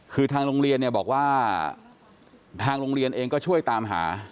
คือทางโรงเรียนเนี่ยบอกว่าทางโรงเรียนเองก็ช่วยตามหา